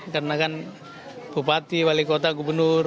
karena kan bupati wali kota gubernur